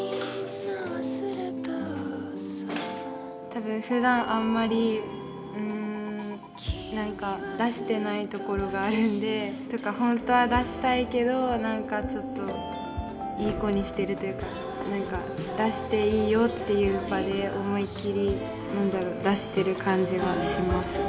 多分ふだんあんまりうん何か出してないところがあるんでというか本当は出したいけど何かちょっといい子にしてるというか何か出していいよっていう場で思いっきり出してる感じはします。